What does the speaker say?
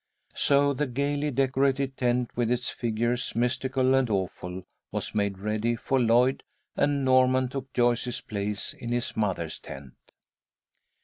So the gaily decorated tent, with its "figures mystical and awful," was made ready for Lloyd, and Norman took Joyce's place in his mother's tent.